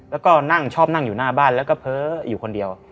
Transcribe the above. แล้วก็นั่งชอบนั่งอยู่หน้าบ้านแล้วก็เพ้ออยู่คนเดียว